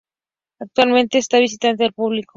Actualmente está visitable al público.